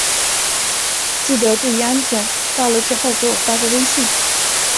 记得注意安全，到了之后给我发个微信。